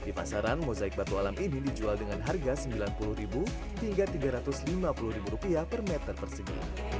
di pasaran mozaik batu alam ini dijual dengan harga rp sembilan puluh hingga rp tiga ratus lima puluh per meter persegi